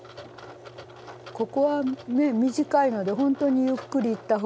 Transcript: ここは短いのでほんとにゆっくりいった方が。